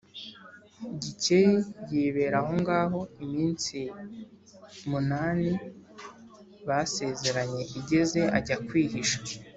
Gikeli yibera ahongaho, iminsi munani basezeranye igeze, ajya kwihisha